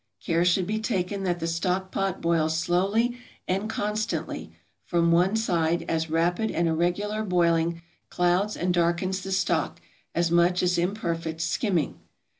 Care should be taken that the stock pot boils slowly and constantly, from one side, as rapid and irregular boiling clouds and darkens the stock as much as imperfect skimming.